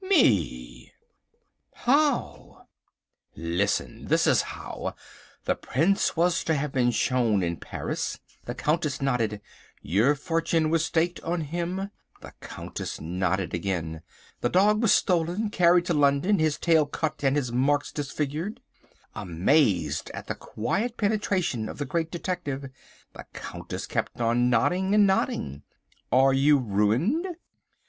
"Me!" "How?" "Listen. This is how. The Prince was to have been shown at Paris." The Countess nodded. "Your fortune was staked on him?" The Countess nodded again. "The dog was stolen, carried to London, his tail cut and his marks disfigured." Amazed at the quiet penetration of the Great Detective, the Countess kept on nodding and nodding. "And you are ruined?"